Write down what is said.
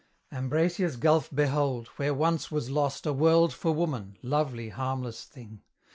Ambracia's gulf behold, where once was lost A world for woman, lovely, harmless thing!